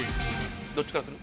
どっちからにする？